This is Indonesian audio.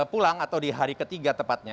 nah sebelum pulang atau di hari ketiga tepatnya